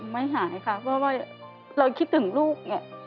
ไม่หายครับเพราะว่าเราคิดถึงลูกไง